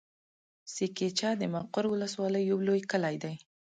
سه کېچه د مقر ولسوالي يو لوی کلی دی.